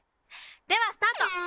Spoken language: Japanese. ではスタート！